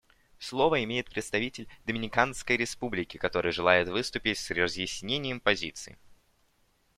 Слово имеет представитель Доминиканской Республики, который желает выступить с разъяснением позиции.